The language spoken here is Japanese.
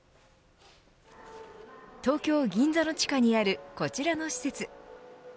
東京、銀座の地下にあるこちらの施設。